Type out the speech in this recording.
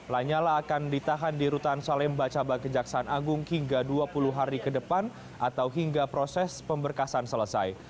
lanyala akan ditahan di rutan salemba cabang kejaksaan agung hingga dua puluh hari ke depan atau hingga proses pemberkasan selesai